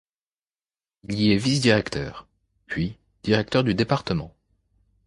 Il y est vice-directeur, puis directeur de département.